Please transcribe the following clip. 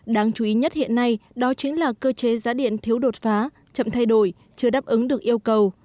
đáng chú ý nhất hiện nay đó chính là cơ chế giá điện thiếu đột phá chậm thay đổi chưa đáp ứng được yêu cầu